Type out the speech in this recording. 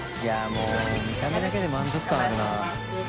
もう見た目だけで満足感あるな。